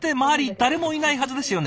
誰もいないはずですよね？